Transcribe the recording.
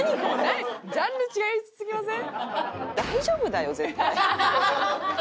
ジャンル違いすぎません？